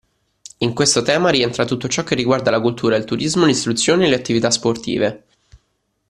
In questo tema rientra tutto ciò che riguarda la cultura, il turismo, l'istruzione e le attività sportive.